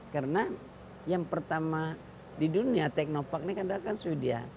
karena yang pertama di dunia teknopark ini adalah swidia